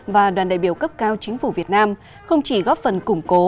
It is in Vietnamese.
và đoàn đại biểu cấp cao chính phủ việt nam không chỉ góp phần củng cố